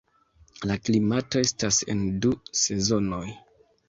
La klimato estas en du sezonoj.